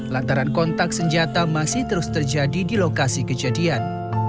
lantaran kontak senjata masih terus terjadi di lokasi kejadian